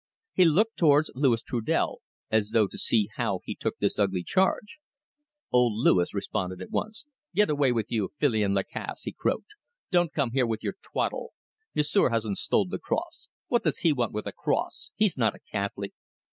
He looked towards Louis Trudel, as though to see how he took this ugly charge. Old Louis responded at once. "Get away with you, Filion Lacasse," he croaked. "Don't come here with your twaddle. M'sieu' hasn't stole the cross. What does he want with a cross? He's not a Catholic."